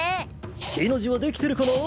「Ｔ」のじはできてるかな？